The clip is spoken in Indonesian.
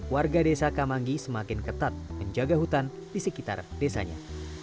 warga desa kamanggi semakin ketat menjaga hutan di sekitar desanya